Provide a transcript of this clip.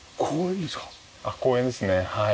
公園ですねはい。